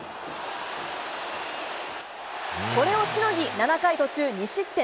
これをしのぎ、７回途中２失点。